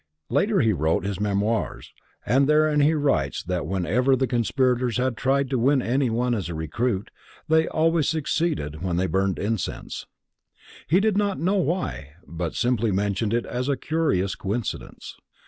Later he wrote his memoirs, and therein he writes that whenever the conspirators had tried to win anyone as a recruit, they always succeeded when they burned incense. He did not know why, but simply mentioned it as a curious coincidence.